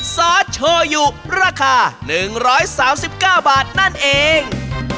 ซอสโชยุราคา๑๓๙บาทนั่นเอง